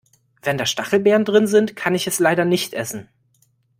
Wenn da Stachelbeeren drin sind, kann ich es leider nicht essen.